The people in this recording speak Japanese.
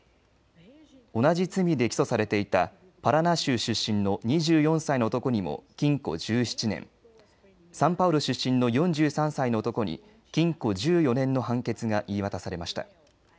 同じ罪で起訴されていたパラナ州出身の２４歳の男にも禁錮１７年、サンパウロ出身の４３歳の男に禁錮１４年の判決が言い渡されました。